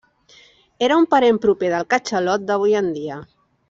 Era un parent proper del catxalot d'avui en dia.